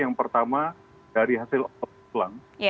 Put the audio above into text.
yang pertama dari hasil otopsi ulang